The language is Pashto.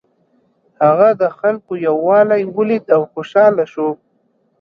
هغه د خلکو یووالی ولید او خوشحاله شو.